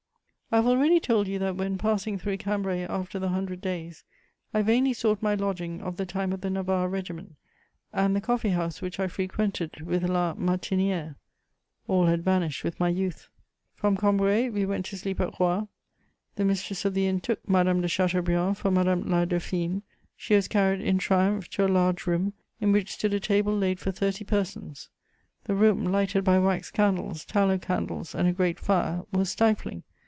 I have already told you that, when passing through Cambrai after the Hundred Days, I vainly sought my lodging of the time of the Navarre Regiment and the coffee house which I frequented with La Martinière: all had vanished with my youth. From Cambrai, we went to sleep at Roye: the mistress of the inn took Madame de Chateaubriand for Madame la Dauphine; she was carried in triumph to a large room in which stood a table laid for thirty persons: the room, lighted by wax candles, tallow candles and a great fire, was stifling.